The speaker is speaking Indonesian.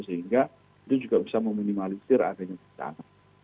sehingga itu juga bisa meminimalisir akibatnya keadaan